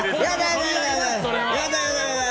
やだやだ！